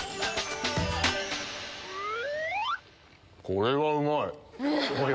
これはうまい！